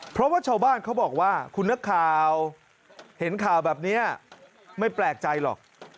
เพราะว่าชาวบ้านเขาบอกว่าคุณนักข่าวเห็นข่าวแบบนี้ไม่แปลกใจหรอก